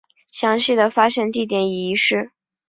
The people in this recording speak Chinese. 详细的发现地点已遗失。